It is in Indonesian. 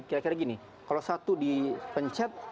kira kira gini kalau satu dipencet